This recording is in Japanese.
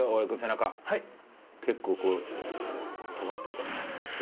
結構とがってるからね。